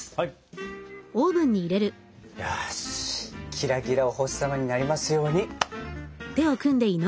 キラキラお星様になりますように！